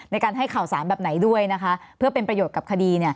ในการให้ข่าวสารแบบไหนด้วยนะคะเพื่อเป็นประโยชน์กับคดี